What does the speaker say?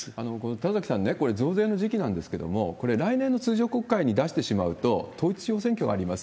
田崎さんね、これ、増税の時期なんですけれども、これ、来年の通常国会に出してしまうと、統一地方選挙があります。